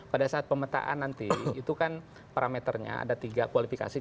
pada saat pemetaan nanti itu kan parameternya ada tiga kualifikasi